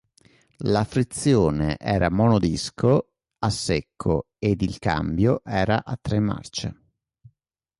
La frizione era monodisco a secco ed il cambio era a tre marce.